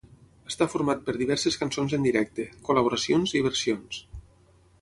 Està format per diverses cançons en directe, col·laboracions i versions.